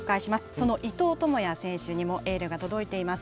その伊藤智也選手にもエールが届いています。